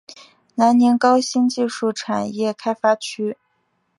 南宁高新技术产业开发区